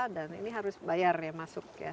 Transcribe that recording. dan ini harus bayar ya masuk ya